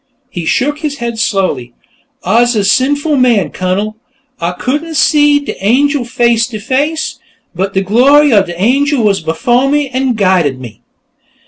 He shook his head slowly. "Ah's a sinful man, Cunnel; Ah couldn't see de angel face to face, but de glory of de angel was befoh me, an' guided me."